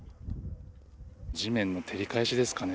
地面の照り返しですかね。